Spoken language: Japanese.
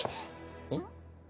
うん？